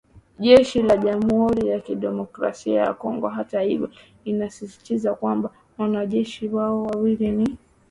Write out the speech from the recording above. Jeshi la Jamhuri ya kidemokrasia ya Kongo hata hivyo linasisitiza kwamba “wanajeshi hao wawili ni wanajeshi wa Rwanda na kwamba kamanda wao ni Luteni Kanali.